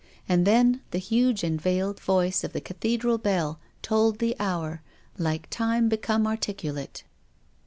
And then the huge and veiled voice of the Cathedral bell tolled the hour, like Time become articulate.